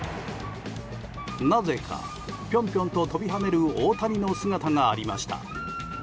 なぜか、ぴょんぴょんと跳びはねる大谷の姿がありました。